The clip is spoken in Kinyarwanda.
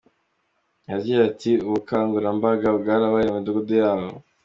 Yagize ati “Ubukangurambaga bwarabaye mu Midugudu yabo.